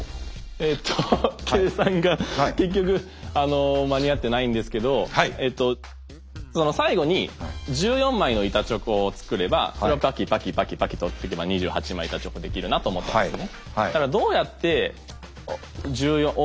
えっと計算が結局間に合ってないんですけどその最後に１４枚の板チョコを作ればそれをパキパキパキパキと折っていけば２８枚板チョコできるなと思ったんですね。